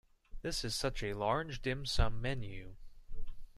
This is such a large dim sum menu.